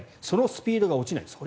そのスピードが落ちない。